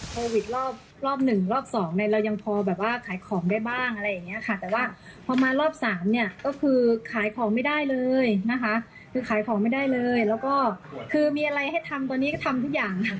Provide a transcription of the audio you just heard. โควิดรอบรอบหนึ่งรอบสองเนี่ยเรายังพอแบบว่าขายของได้บ้างอะไรอย่างเงี้ยค่ะแต่ว่าพอมารอบสามเนี่ยก็คือขายของไม่ได้เลยนะคะคือขายของไม่ได้เลยแล้วก็คือมีอะไรให้ทำตอนนี้ก็ทำทุกอย่าง